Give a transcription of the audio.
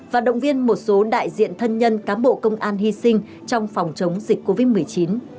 và động viên một số đại diện thân nhân cám bộ công an hy sinh trong phòng chống dịch covid một mươi chín